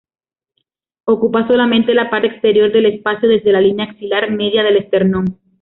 Ocupa solamente la parte anterior del espacio desde la línea axilar media del esternón.